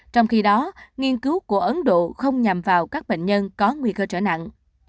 trong khi đó nghiên cứu của ấn độ không nhằm vào các bệnh nhân có nguy cơ trở nặng